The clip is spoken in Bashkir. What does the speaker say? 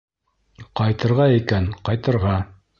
Ҡайтырға икән, ҡайтырға!